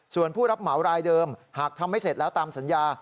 ส่วนผู้รับเหมารายเดิมหากทำไม่เสร็จแล้วตามสัญญา